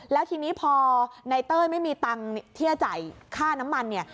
แล้วทีนี้พอในเต้ยไม่มีตังค์ที่จะจ่ายค่าน้ำมันเนี่ย